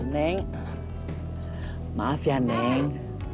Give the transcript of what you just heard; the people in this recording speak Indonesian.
neng maaf ya neng